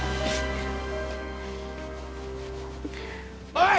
おい！